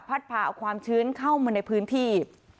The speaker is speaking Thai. พาเอาความชื้นเข้ามาในพื้นที่